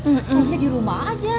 mungkin di rumah aja